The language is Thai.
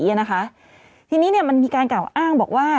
ทีนี้มันมีการเก่าอ้างบอกว่า